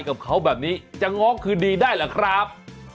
กับเขาแบบนี้จะง้อคืนดีได้หรือครับ